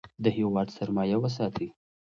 د هیواد سرمایه وساتئ.